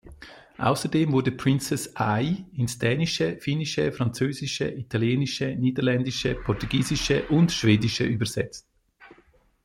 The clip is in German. Außerdem wurde "Princess Ai" ins Dänische, Finnische, Französische, Italienische, Niederländische, Portugiesische und Schwedische übersetzt.